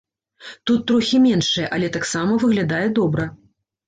Тут трохі меншая, але таксама выглядае добра.